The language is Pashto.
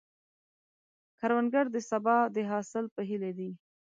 کروندګر د سبا د حاصل په هیله دی